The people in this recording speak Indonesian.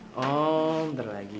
oh sebentar lagi